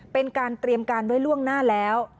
เป็นการเตรียมการไว้ล่วงหน้าแล้ว